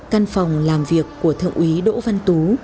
căn phòng làm việc của thượng úy đỗ văn tú